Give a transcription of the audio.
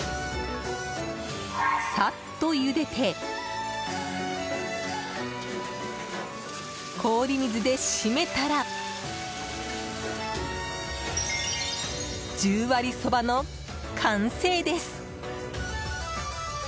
さっとゆでて、氷水で締めたら十割蕎麦の完成です。